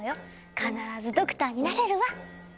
必ずドクターになれるわ。